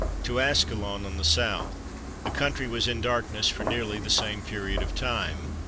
to Ascalon on the S. the country was in darkness for nearly the same period of time.